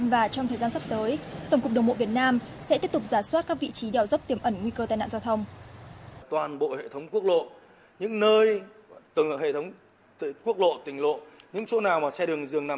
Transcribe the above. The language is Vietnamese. và trong thời gian sắp tới tổng cục đường bộ việt nam sẽ tiếp tục giả soát các vị trí đèo dốc tiềm ẩn nguy cơ tai nạn giao thông